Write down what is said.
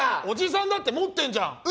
おじさんだって持ってんじゃん。